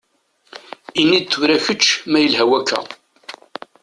Ini-d tura kečč ma yelha wakka.